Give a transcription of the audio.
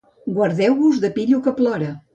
Guardau-vos de pillo que plora.